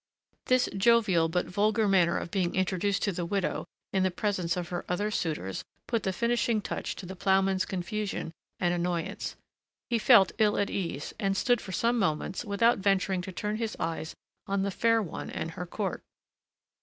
This jovial but vulgar manner of being introduced to the widow, in the presence of her other suitors, put the finishing touch to the ploughman's confusion and annoyance. He felt ill at ease, and stood for some moments without venturing to turn his eyes on the fair one and her court.